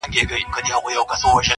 • طبیب غوښي وې د چرګ ور فرمایلي -